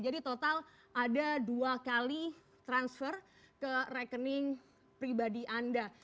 jadi total ada dua kali transfer ke rekening pribadi anda